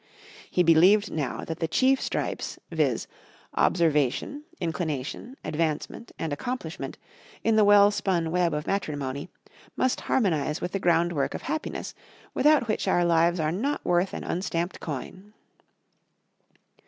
He believed now that the chief stripes, viz. observation, inclination, advancement and accomplishment, in the well spun web of matrimony, must harmonise with the groundwork of happiness, without which our lives are not worth an unstamped coin.